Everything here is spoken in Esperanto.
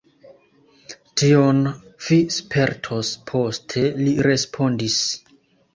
Tion vi spertos poste, li respondis.